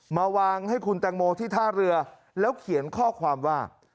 มาวางให้คุณแตงโมที่ท่าเรือแล้วเขียนข้อความว่า